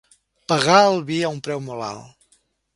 Pagar el vi a un preu molt alt.